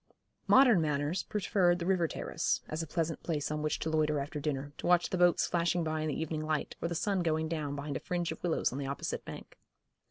Modern manners preferred the river terrace, as a pleasant place on which to loiter after dinner, to watch the boats flashing by in the evening light, or the sun going down behind a fringe of willows on the opposite bank.